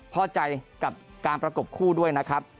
พอใจกับการประกบคู่ด้วยนะครับ